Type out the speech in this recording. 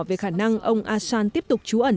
về khả năng ông assange tiếp tục trú ẩn